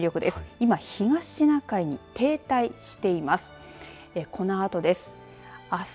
今、東シナ海に停滞しています。